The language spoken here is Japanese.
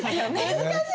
難しい。